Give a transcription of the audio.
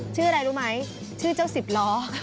ชื่ออะไรรู้ไหมชื่อเจ้าสิบล้อ